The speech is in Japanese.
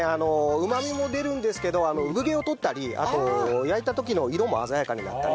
うまみも出るんですけど産毛を取ったりあと焼いた時の色も鮮やかになったりしますので。